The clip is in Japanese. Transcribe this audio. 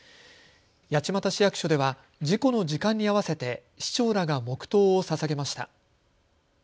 八街市役所では事故の時間に合わせて市長らが黙とうをささげました。